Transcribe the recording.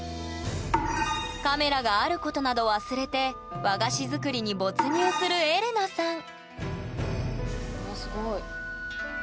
カメラがあることなど忘れて和菓子作りに没入するエレナさんわあすごい。